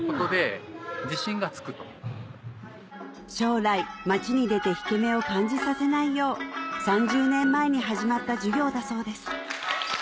将来街に出て引け目を感じさせないよう３０年前に始まった授業だそうです